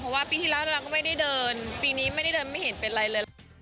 เพราะว่าปีที่แล้วเราก็ไม่ได้เดินปีนี้ไม่ได้เดินไม่เห็นเป็นอะไรเลย